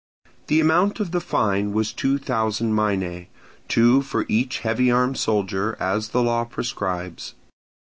The amount of the fine was two thousand minae, two for each heavy armed soldier, as the law prescribes.